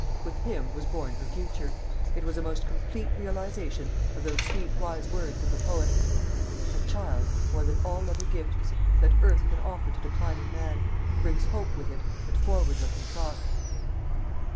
With him was born her future it was a most complete realization of those sweet wise words of the poet, "a child, more than all other gifts That earth can offer to declining man, Brings hope with it, and forward looking thoughts."